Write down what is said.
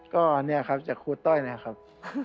ก็เนี่ยครับจากครูต้อยนะครับ